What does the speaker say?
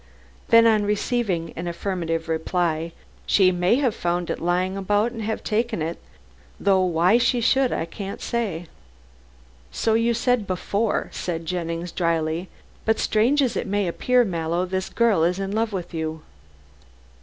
Then, on receiving an affirmative reply, "She may have found it lying about and have taken it, though why she should I can't say." "So you said before," said Jennings dryly. "But strange as it may appear, Mallow, this girl is in love with you."